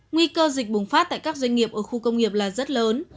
nguy cơ dịch bùng phát tại các doanh nghiệp ở khu công nghiệp là rất lớn